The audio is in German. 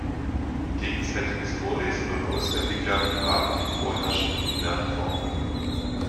Gegenseitiges Vorlesen und Auswendiglernen waren die vorherrschenden Lernformen.